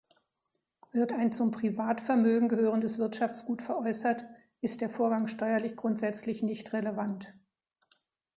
Wird ein zum Privatvermögen gehörendes Wirtschaftsgut veräußert, ist der Vorgang steuerlich grundsätzlich nicht relevant.